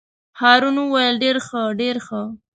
هارون وویل: ډېر ښه ډېر ښه.